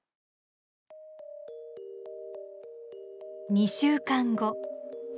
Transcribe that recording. ２週間後。